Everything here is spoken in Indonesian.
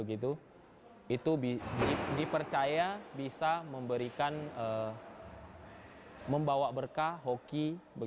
itu dipercaya bisa memberikan membawa berkah hoki